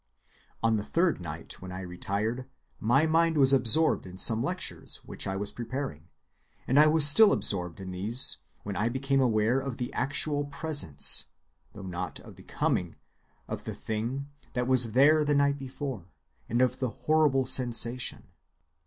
"On the third night when I retired my mind was absorbed in some lectures which I was preparing, and I was still absorbed in these when I became aware of the actual presence (though not of the coming) of the thing that was there the night before, and of the 'horrible sensation.